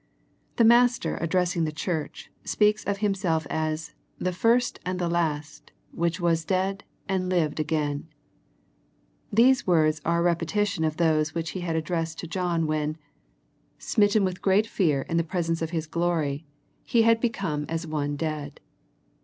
The Master addressing the church, speaks of Himself as " The first and the last, which was dead, and lived again.*' These words are a repetition of those which He had addressed to John when, smitten with a great fear in the 57 58 A First Century Message presence of His glory, he had become as one dead.